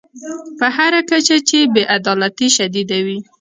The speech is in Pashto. په هر کچه چې بې عدالتي شدیده وي.